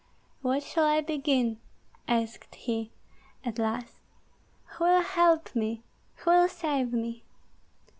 "What shall I begin?" asked he, at last; "who will help me, who will save me?"